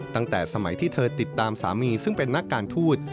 ตั้งแต่สมัยที่เธอติดตามสามีซึ่งเป็นนักการทูต